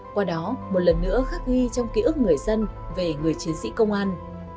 qua đó một lần nữa khắc ghi trong ký ức người dân về người chiến sĩ công an